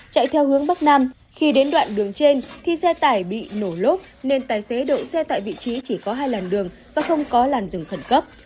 chạy theo hướng bắc nam khi đến đoạn đường trên thì xe tải bị nổ lốp nên tài xế đậu xe tại vị trí chỉ có hai làn đường và không có làn rừng khẩn cấp